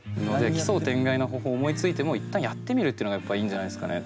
奇想天外な方法を思いついても一旦やってみるっていうのがやっぱいいんじゃないですかね。